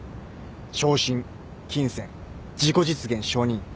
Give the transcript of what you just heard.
昇進金銭自己実現承認。